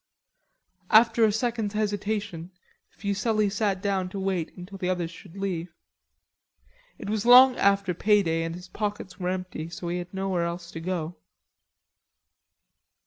After a second's hesitation, Fuselli sat down to wait until the others should leave. It was long after pay day and his pockets were empty, so he had nowhere else to go.